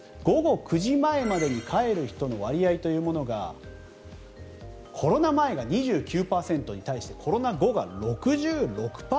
午後９時前までに帰る人の割合というものがコロナ前が２９％に対してコロナ後が６６％。